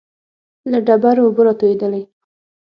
له ډبرو اوبه را تويېدلې.